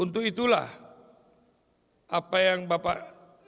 untuk orientasi an programme langsung silly